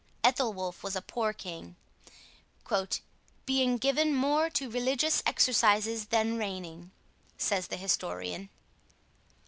Ethelwolf was a poor king, "being given more to religious exercises than reigning," says the historian.